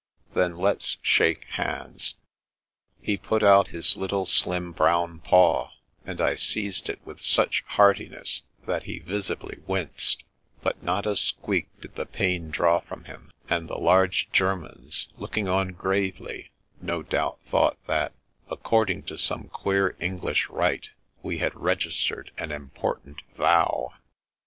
" Then let's shake hands." He put out his little slim brown paw, and I seized it with such heartiness that he visibly winced, but not a squeak did the pain draw from him ; and the large Germans, looking on gravely, no doubt thought that, according to some queer English rite, we had registered an important vow.